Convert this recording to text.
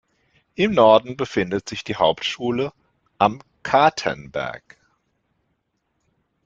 Im Norden befindet sich die Hauptschule "Am Katernberg".